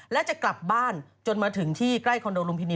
และจะกลับบ้านจนมาถึงที่ใกล้คอนโดลุมพินี